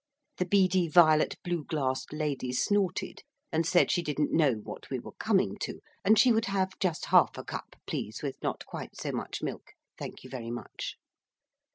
The beady violet blue glassed lady snorted, and said she didn't know what we were coming to, and she would have just half a cup, please, with not quite so much milk, thank you very much.